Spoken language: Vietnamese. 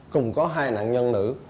cùng có hai nạn nhân nữ